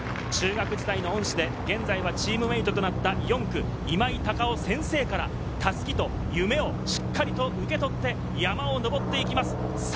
中学時代の恩師で現在はチームメートとなった４区・今井隆生選手から襷と夢をしっかり受け取って山を上っていきます。